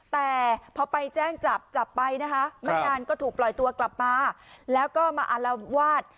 แต่พอไปแจ้งจับจับไปนะคะไม่นานก็ถูกปล่อยตัวกลับมาแล้วก็มาอารวาส